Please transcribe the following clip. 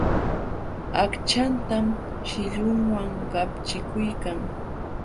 Aqchantan shillunwan qaćhpikuykan.